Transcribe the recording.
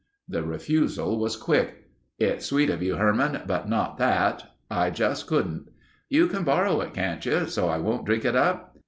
The refusal was quick. "It's sweet of you Herman, but not that. I just couldn't." "You can borrow it, can't you ... so I won't drink it up?"